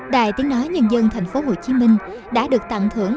đài tiếng nói nhân dân thành phố hồ chí minh đã được tặng thưởng